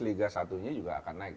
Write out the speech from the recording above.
liga satu nya juga akan naik